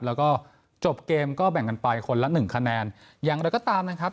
แล้วก็จบเกมก็แบ่งกันไปคนละหนึ่งคะแนนอย่างไรก็ตามนะครับ